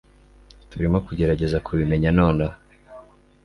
Turimo kugerageza kubimenya nonaha.